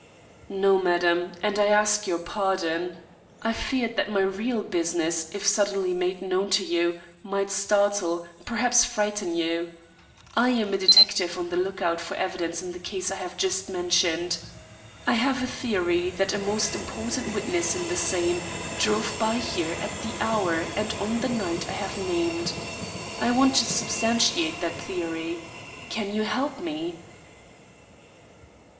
"No, madam, and I ask your pardon. I feared that my real business, if suddenly made known to you, might startle, perhaps frighten you. I am a detective on the look out for evidence in the case I have just mentioned. I have a theory that a most important witness in the same, drove by here at the hour and on the night I have named. I want to substantiate that theory. Can you help me?"